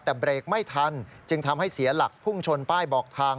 แต่เบรกไม่ทันจึงทำให้เสียหลักพุ่งชนป้ายบอกทาง